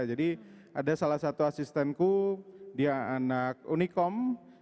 jadi ada salah satu asistenku dia anak unicom